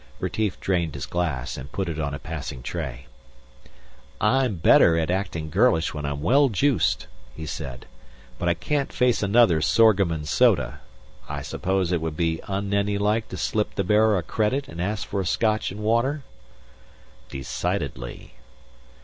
Retief drained his glass and put it on a passing tray. "I'm better at acting girlish when I'm well juiced," he said. "But I can't face another sorghum and soda. I suppose it would be un Nenni like to slip the bearer a credit and ask for a Scotch and water." "Decidedly."